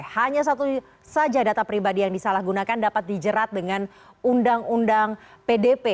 hanya satu saja data pribadi yang disalahgunakan dapat dijerat dengan undang undang pdp